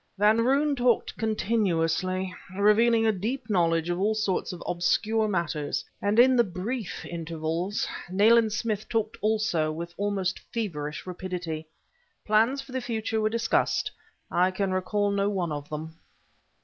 Van Roon talked continuously, revealing a deep knowledge of all sorts of obscure matters; and in the brief intervals, Nayland Smith talked also, with almost feverish rapidity. Plans for the future were discussed. I can recall no one of them.